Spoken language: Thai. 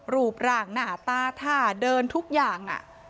รูปร่างหน้าตาท่าเดินทุกอย่าง